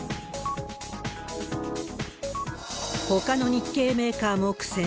ほかの日系メーカーも苦戦。